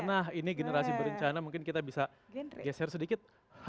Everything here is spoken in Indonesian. nah ini generasi berencana mungkin kita bisa geser sedikit